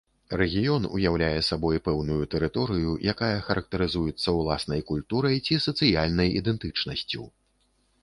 Рэгіён уяўляе сабой пэўную тэрыторыю, якая характарызуецца ўласнай культурай ці сацыяльнай ідэнтычнасцю.